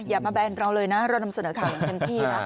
อย่ามาแบนเราเลยนะเรานำเสนอข่าวอย่างเต็มที่นะ